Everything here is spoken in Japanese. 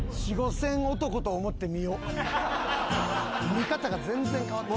見方が全然変わってきた。